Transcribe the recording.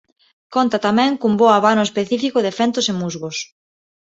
Conta tamén cun bo abano específico de fentos e musgos.